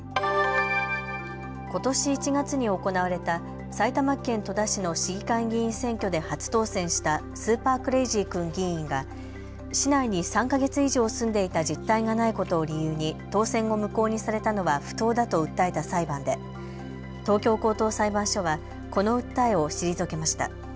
ことし１月に行われた埼玉県戸田市の市議会議員選挙で初当選したスーパークレイジー君議員が市内に３か月以上住んでいた実態がないことを理由に当選を無効にされたのは不当だと訴えた裁判で東京高等裁判所はこの訴えを退けました。